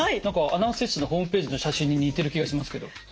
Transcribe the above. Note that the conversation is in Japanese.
何かアナウンス室のホームページの写真に似ている気がしますけど。